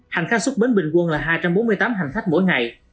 hành khách xuất bến bình quân là hai trăm bốn mươi tám hành khách mỗi ngày